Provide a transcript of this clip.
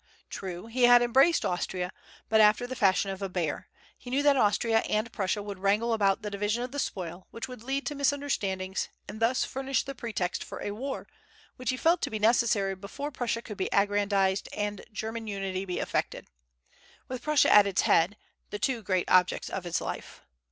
True, he had embraced Austria, but after the fashion of a bear. He knew that Austria and Prussia would wrangle about the division of the spoil, which would lead to misunderstandings, and thus furnish the pretext for a war, which he felt to be necessary before Prussia could be aggrandized and German unity be effected, with Prussia at its head, the two great objects of his life.